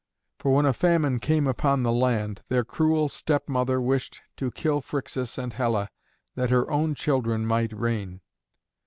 For when a famine came upon the land, their cruel stepmother wished to kill Phrixus and Helle, that her own children might reign.